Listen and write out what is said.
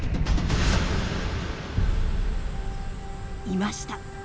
いました。